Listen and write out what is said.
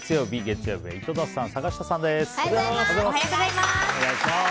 本日月曜日、月曜日は井戸田さん、坂下さんです。